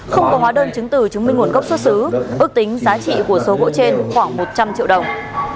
không có hóa đơn chứng từ chứng minh nguồn gốc xuất xứ ước tính giá trị của số gỗ trên khoảng một trăm linh triệu đồng